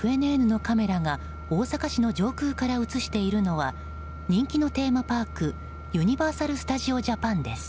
ＦＮＮのカメラが大阪市の上空から映しているのは人気のテーマパークユニバーサル・スタジオ・ジャパンです。